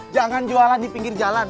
jangan jualan di pinggir jalan